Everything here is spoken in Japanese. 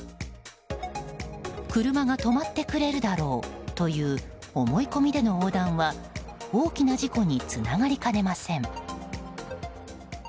車が止まってくれるだろうという思い込みでの横断は大きな事故につながりかねません。